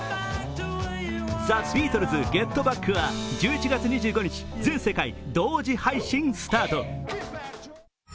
「ザ・ビートルズ：ＧｅｔＢａｃｋ」は１１月２５日全世界同時配信スタート。